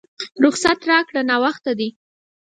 رخصت راکړه ناوخته دی!